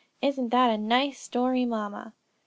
Isn't that a nice story, mamma?"